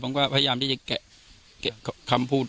ผมก็พยายามที่จะแกะคำพูด